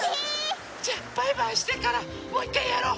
じゃあバイバイしてからもういっかいやろう。